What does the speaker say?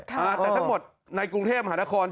แต่ทั้งหมดในกรุงเทพมหานคร